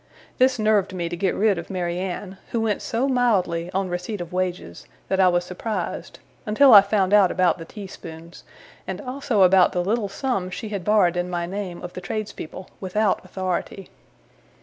This nerved me to get rid of Mary Anne, who went so mildly, on receipt of wages, that I was surprised, until I found out about the tea spoons, and also about the little sums she had borrowed in my name of the tradespeople without authority.